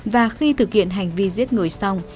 và khi thực hiện hành vi giết người xong